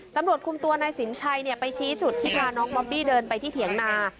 ตำรวจคุมตัวนายสินชัยไปชี้จุดที่พาน้องบอบบี้เดินไปที่เถียงนา